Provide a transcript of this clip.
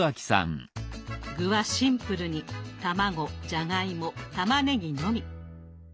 具はシンプルに卵じゃがいもたまねぎのみ。